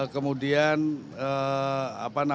kemudian apa namanya